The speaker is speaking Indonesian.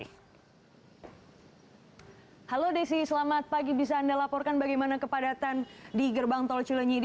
halo desi selamat pagi bisa anda laporkan bagaimana kepadatan di gerbang tol cilenyi ini